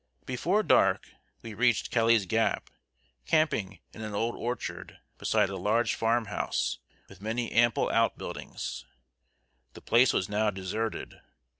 Before dark we reached Kelly's Gap, camping in an old orchard, beside a large farm house with many ample out buildings. The place was now deserted.